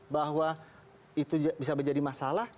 bahwa itu bisa menjadi masalah